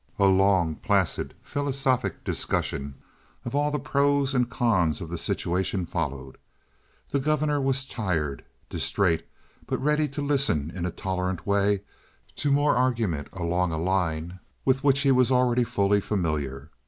A long, placid, philosophic discussion of all the pros and cons of the situation followed. The governor was tired, distrait, but ready to listen in a tolerant way to more argument along a line with which he was already fully familiar.